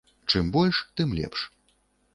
Чым больш, тым лепш.